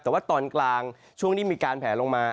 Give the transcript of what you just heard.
แต่ว่าตอนกลางช่วงที่มีการแผลลงมา